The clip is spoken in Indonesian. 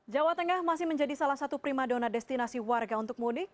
jawa tengah masih menjadi salah satu prima dona destinasi warga untuk mudik